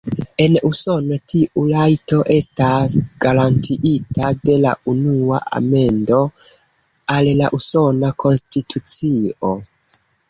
En Usono tiu rajto estas garantiita de la Unua Amendo al la Usona Konstitucio.